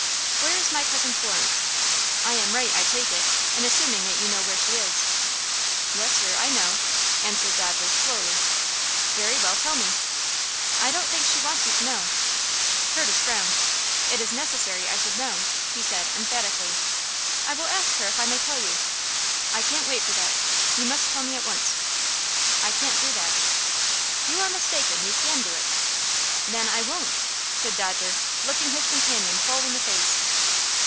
"Where is my Cousin Florence? I am right, I take it, in assuming that you know where she is." "Yes, sir; I know," answered Dodger, slowly. "Very well, tell me." "I don't think she wants you to know." Curtis frowned. "It is necessary I should know!" he said, emphatically. "I will ask her if I may tell you." "I can't wait for that. You must tell me at once." "I can't do that." "You are mistaken; you can do it." "Then, I won't!" said Dodger, looking his companion full in the face.